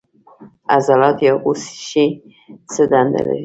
عضلات یا غوښې څه دنده لري